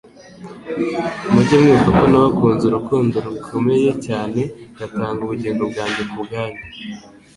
mujye mwibuka ko nabakunze urukundo iukomeye cyane ngatanga ubugingo bwanjye ku bwanyu.